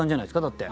だって。